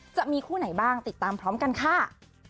จะมีคู่ไหนบ้างติดตามพร้อมกันค่ะ